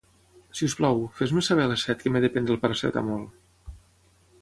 Si us plau, fes-me saber a les set que m'he de prendre el Paracetamol.